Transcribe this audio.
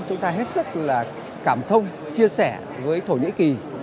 chúng ta hết sức là cảm thông chia sẻ với thổ nhĩ kỳ